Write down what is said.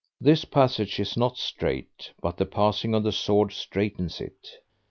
This passage is not straight, but the passing of the sword straightens it.